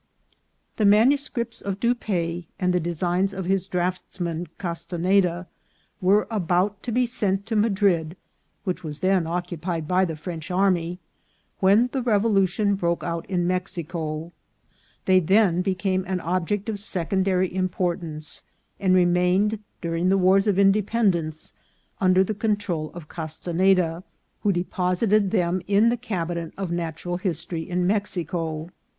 The manuscripts of Dupaix, and the designs of his draughtsman Castenada, were about to be sent to Mad rid, which was then occupied by the French army, when the revolution broke out in Mexico ; they then became an object of secondary importance, and re mained during the wars of independence under the con * trol of Castenada, who deposited them in the Cabinet of Natural History in Mexico.